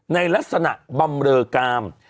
ในลักษณะบำเรอกาม